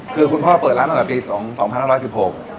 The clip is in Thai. คือคุณพ่อเปิดร้านมาหลักปี๒๐๑๕